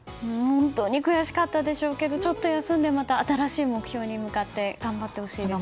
本当に悔しかったでしょうけどちょっと休んでまた新しい目標に向かって頑張ってほしいですね。